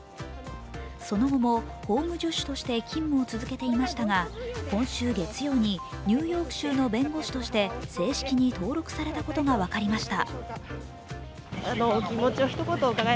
その後も法務助手として勤務を続けていましたが、今週月曜にニューヨーク州の弁護士として正式に登録されたことが分かりました。